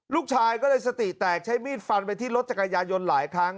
ลูกชายก็เลยสติแตกใช้มีดฟันไปที่รถจักรยายนหลายครั้ง